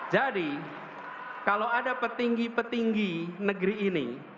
jadi kalau ada petinggi petinggi negeri ini